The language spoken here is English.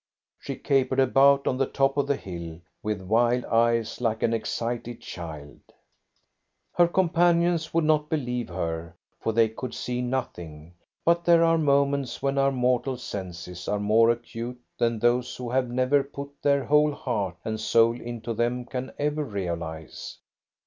She capered about on the top of the hill with wild eyes like an excited child. Her companions would not believe her, for they could see nothing, but there are moments when our mortal senses are more acute than those who have never put their whole heart and soul into them can ever realise.